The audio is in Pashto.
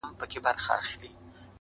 وخت د هرې پرېکړې شاهد وي؛